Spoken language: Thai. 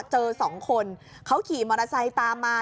เจอสองคนเขาขี่มอเตอร์ไซค์ตามมา